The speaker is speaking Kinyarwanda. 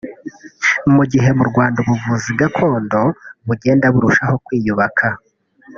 Mu gihe mu Rwanda ubuvuzi gakondo bugenda burushaho kwiyubaka